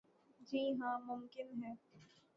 جی ہاں ممکن ہے ۔